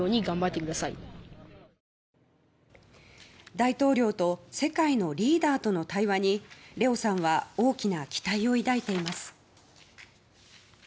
大統領と世界のリーダーとの対話に怜雄さんは大きな期待を抱いています。